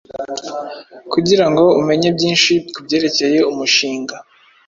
Kugira ngo umenye byinshi kubyerekeye umushinga